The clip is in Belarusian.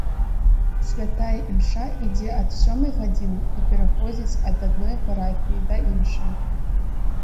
Святая імша ідзе ад сёмай гадзіны і пераходзіць ад адной парафіі да іншай.